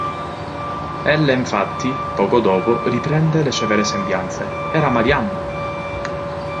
Ella infatti, poco dopo, riprende le sue vere sembianze: era Marianna!